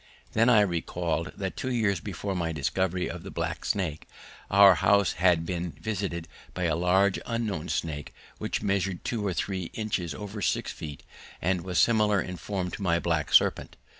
Then I recalled that two years before my discovery of the black snake, our house had been visited by a large unknown snake which measured two or three inches over six feet and was similar in form to my black serpent.